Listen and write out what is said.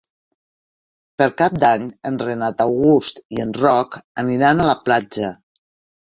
Per Cap d'Any en Renat August i en Roc aniran a la platja.